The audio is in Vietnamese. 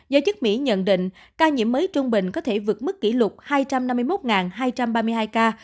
giới chức mỹ nhận định ca nhiễm mới trung bình có thể vượt mức kỷ lục hai trăm năm mươi một hai trăm ba mươi hai ca